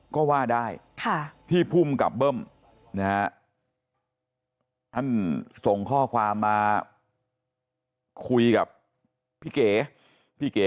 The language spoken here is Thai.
ก็ว่าได้ที่ผู้มันกลับเบิ้มท่านส่งข้อความมาคุยกับพี่เก๋